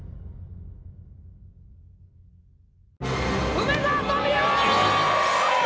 梅沢富美男！